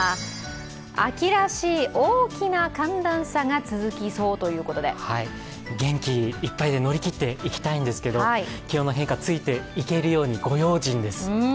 秋らしい大きな寒暖差が続きそうということで元気いっぱいで乗り切っていきたいんですけど気温の変化、ついていけるようにご用心です。